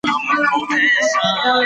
د بیان طرز د شاعر ځانګړتیا ښیي.